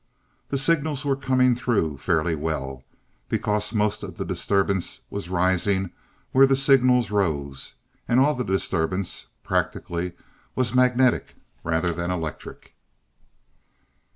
The signals were coming through fairly well, because most of the disturbance was rising where the signals rose, and all the disturbance, practically, was magnetic rather than electric.